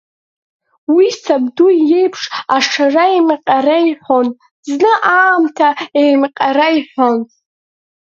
Уи сабду иеиԥш ашара еимҟьара иҳәон, зны аамҭа еимҟьара иҳәон.